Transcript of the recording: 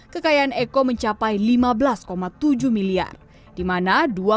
kekayaan eko menunjukkan bahwa eko tidak akan berhubung dengan pemerintah yang memiliki kekayaan